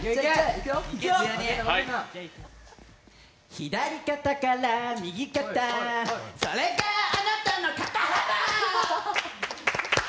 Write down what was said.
左肩から右肩それからあなたの肩幅！